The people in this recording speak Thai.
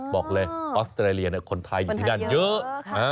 บอกเลยออสเตรเลียคนไทยอยู่ที่นั่นเยอะ